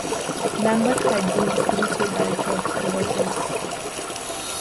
Lambert had been the spiritual director of Hubertus.